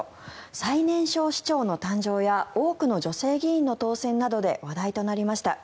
最年少市長の誕生や多くの女性議員の誕生などで話題となりました。